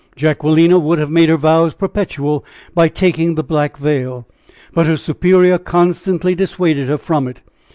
Jacquelina would have made her vows perpetual by taking the black veil, but her Superior constantly dissuaded her from it.